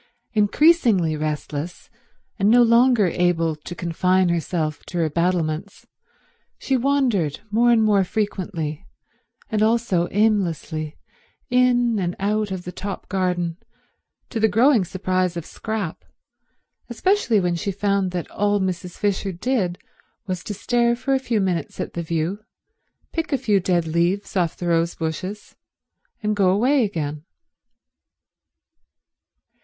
Increasingly restless and no longer able to confine herself to her battlements, she wandered more and more frequently, and also aimlessly, in and out of the top garden, to the growing surprise of Scrap, especially when she found that all Mrs. Fisher did was to stare for a few minutes at the view, pick a few dead leaves off the rose bushes, and go away again.